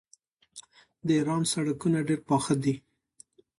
د ایران سړکونه ډیر پاخه دي.